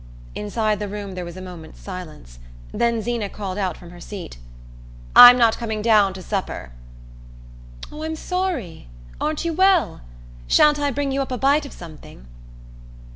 Inside the room there was a moment's silence; then Zeena called out from her seat: "I'm not coming down to supper." "Oh, I'm sorry! Aren't you well? Sha'n't I bring you up a bite of something?"